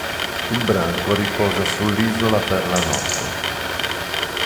Il branco riposa sull'isola per la notte.